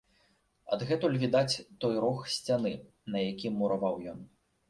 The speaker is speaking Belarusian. Адгэтуль відаць той рог сцяны, на якім мураваў ён.